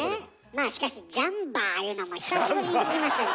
まあしかし「ジャンバー」いうのも久しぶりに聞きましたけど。